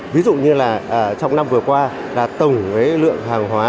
ví dụ như là trong năm vừa qua là tổng với lượng hàng hóa